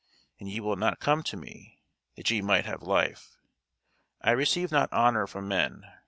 And ye will not come to me, that ye might have life. I receive not honour from men.